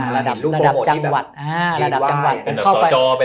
อันนี้รูปโปรโมที่อยู่แบบ